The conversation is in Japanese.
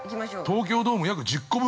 ◆東京ドーム約１０個分。